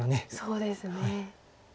そうですね。